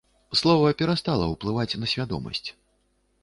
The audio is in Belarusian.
Слова перастала ўплываць на свядомасць.